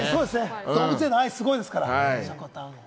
動物への愛すごいですから、しょこたん。